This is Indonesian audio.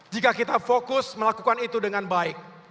jika kita fokus melakukan itu dengan baik